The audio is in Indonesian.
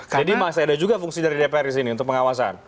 jadi masih ada juga fungsi dari dpr disini untuk pengawasan